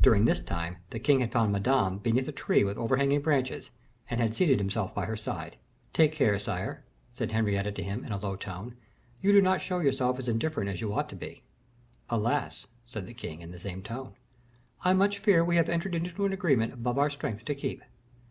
During this time, the king had found Madame beneath a tree with overhanging branches, and had seated himself by her side. "Take care, sire," said Henrietta to him, in a low tone, "you do not show yourself as indifferent as you ought to be." "Alas!" replied the king, in the same tone, "I much fear we have entered into an agreement above our strength to keep."